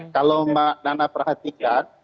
kalau mbak nana perhatikan